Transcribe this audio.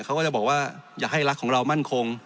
เขาก็จะบอกว่าอย่าให้รักของเรามั่นคง